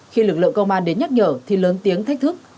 khi lực lượng công an đến nhắc nhở thì lớn tiếng thách thức